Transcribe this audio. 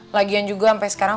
lagian juga sampe sekarang